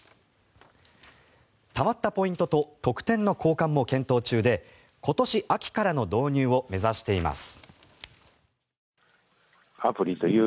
たまったポイントと特典の交換も検討中で今年秋からの導入を目指しています。